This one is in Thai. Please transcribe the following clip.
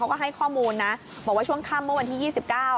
ก็ให้ข้อมูลนะบอกว่าช่วงค่ำเมื่อวันที่ยี่สิบเก้า